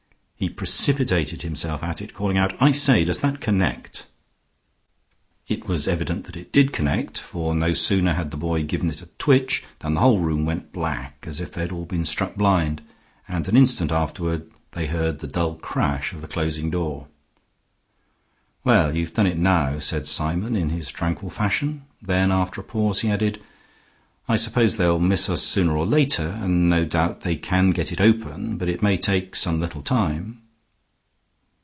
He precipitated himself at it, calling out, "I say, does that connect?" It was evident that it did connect, for no sooner had the boy given it a twitch than the whole room went black, as if they had all been struck blind, and an instant afterward they heard the dull crash of the closing door. "Well, you've done it now," said Symon, in his tranquil fashion. Then after a pause he added, "I suppose they'll miss us sooner or later, and no doubt they can get it open; but it may take some little time."